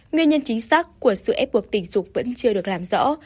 nguyên nhân chính xác của sự ép buộc tình dục vẫn chưa được làm rõ